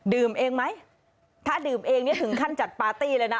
เองไหมถ้าดื่มเองเนี่ยถึงขั้นจัดปาร์ตี้เลยนะ